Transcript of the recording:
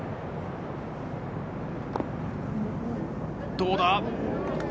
どうだ？